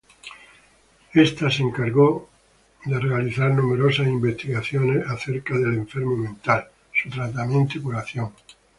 Esta se encargó realizar numerosas investigaciones acerca del enfermo mental, su tratamiento y curación.